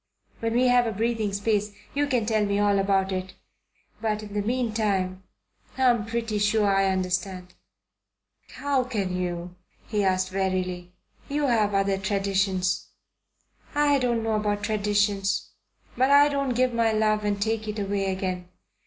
"When we have a breathing space you can tell me all about it. But in the meantime I'm pretty sure I understand." "How can you?" he asked wearily. "You have other traditions." "I don't know about traditions; but I don't give my love and take it away again.